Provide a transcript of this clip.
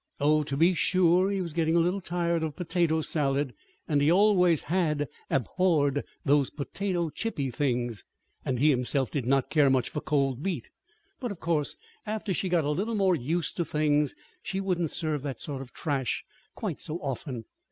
Oh, to be sure, he was getting a little tired of potato salad, and he always had abhorred those potato chippy things; and he himself did not care much for cold meat. But, of course, after she got a little more used to things she wouldn't serve that sort of trash quite so often.